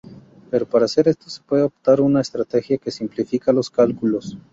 Pero para hacer esto, se puede optar por una estrategia que simplifica los cálculos.